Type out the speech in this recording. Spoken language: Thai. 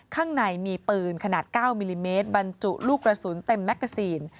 ข้างในมีปืนขนาด๙มิลลิเมตรบรรจุลูกกระสุนเต็มแมกกาซีน